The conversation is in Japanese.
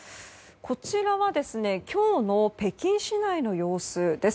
こちらは今日の北京市内の様子です。